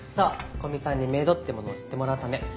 古見さんにメイドってものを知ってもらうため。